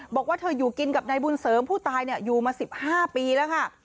บอกว่าเธออยู่กินกับนายบุญเสริมผู้ตายอยู่มา๑๕ปีแล้วค่ะ